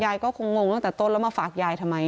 ก็คงงตั้งแต่ต้นแล้วมาฝากยายทำไม